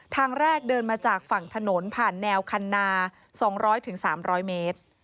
ทางแรกเดินมาจากฝั่งถนนผ่านแนวคันนา๒๐๐๓๐๐เมตร